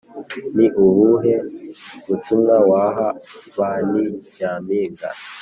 Ni ubuhe butumwa waha ba Ni Nyampinga?